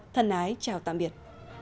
thân ái chào tạm biệt